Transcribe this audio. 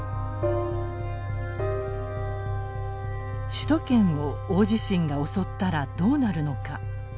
首都圏を大地震が襲ったらどうなるのか。